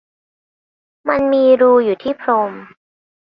มันมีรูอยู่ที่พรม